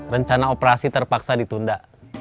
rencana operasi terpaksa ditunda